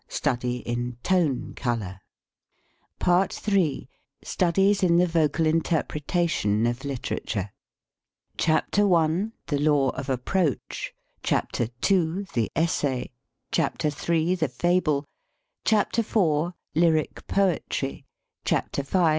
STUDY IN TONE COLOR PART III STUDIES IN THE VOCAL INTERPRETATION OF LIT ERATURE CHAPTER I. THE LAW OF APPROACH CHAPTER II. THE ESSAY CHAPTER III. THE FABLE CHAPTER IV. LYRIC POETRY CHAPTER V.